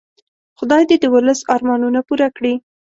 خدای دې د ولس ارمانونه پوره کړي.